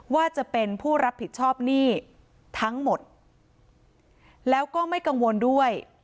ว่าจะเป็นผู้รับผิดชอบหนี้ทั้งหมดแล้วก็ไม่กังวลด้วย